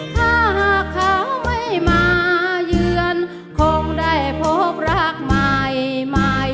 ถ้าหากเขาไม่มาเยือนคงได้พบรักใหม่